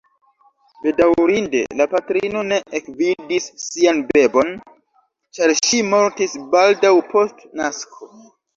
Bedaŭrinde la patrino ne ekvidis sian bebon, ĉar ŝi mortis baldaŭ post nasko.